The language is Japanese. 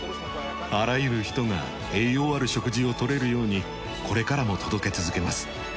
あらゆる人が栄養ある食事を取れるようにこれからも届け続けます。